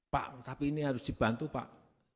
pak tapi ini harus dibantu pak